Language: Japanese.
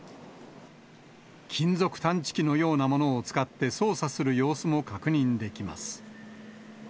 金属探知機のようなものを使って捜査する様子も確認できます。